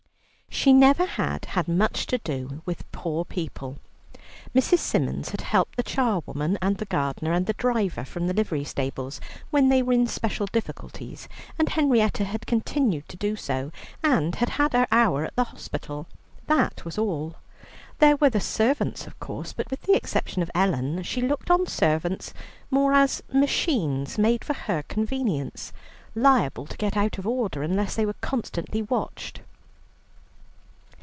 She never had had much to do with poor people. Mrs. Symons had helped the charwoman, and the gardener, and the driver from the livery stables, when they were in special difficulties, and Henrietta had continued to do so, and had had her hour at the hospital. That was all. There were the servants, of course, but with the exception of Ellen she looked on servants more as machines made for her convenience, liable to get out of order unless they were constantly watched.